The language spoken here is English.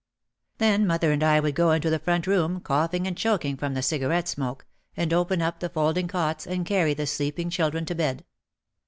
Then mother and I would go into the front room coughing and choking from the cigarette smoke, and open up the folding cots, and carry the sleeping children to bed.